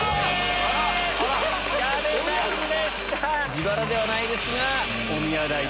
自腹ではないですがおみや代。